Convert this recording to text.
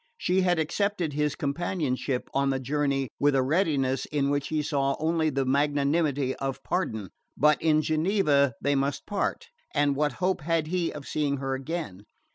She had accepted his companionship on the journey with a readiness in which he saw only the magnanimity of pardon; but in Geneva they must part, and what hope had he of seeing her again?